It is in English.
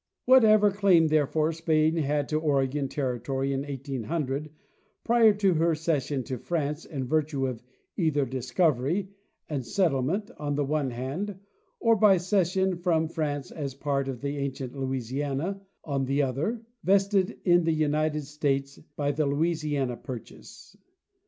Whatever claim, therefore, Spain had to the Oregon territory in 1800, prior to her cession to France, in virtue either of discovery and settlement, on the one hand, or by cession from France as part of the ancient Louisiana, on the other, vested in the United States by the Louisiana purchase.